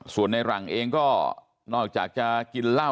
ส่วนในหลังเองก็นอกจากจะกินเหล้า